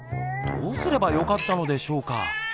どうすればよかったのでしょうか？